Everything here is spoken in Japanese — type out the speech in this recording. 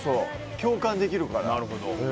共感できるから。